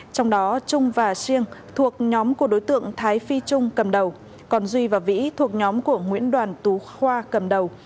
trong đó trung và siêng thuộc nhóm của đối tượng thái phi trung cầm đầu còn duy và vĩ thuộc nhóm của nguyễn đoàn tú khoa cầm đầu